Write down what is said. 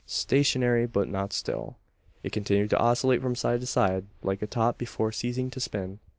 Stationary, but not still. It continued to oscillate from side to side, like a top before ceasing to spin.